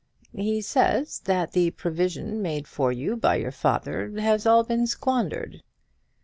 "He says that the provision made for you by your father has all been squandered."